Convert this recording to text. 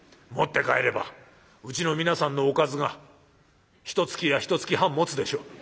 持って帰ればうちの皆さんのおかずがひとつきやひとつき半もつでしょ」。